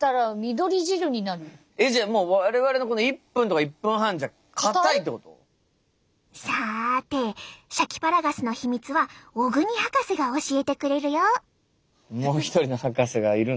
じゃあもうさてシャキパラガスの秘密は小國博士が教えてくれるよ。